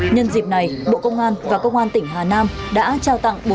nhân dịp này bộ công an và công an tỉnh hà nam đã trao tặng